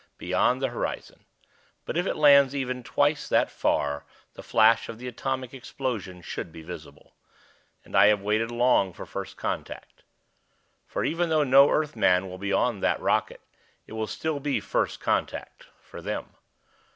Beyond the horizon. But if it lands even twice that far the flash of the atomic explosion should be visible. And I have waited long for first contact. For even though no Earthman will be on that rocket, it will still be first contact for them.